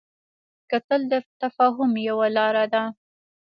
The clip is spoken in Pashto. کتل د تفاهم یوه لاره ده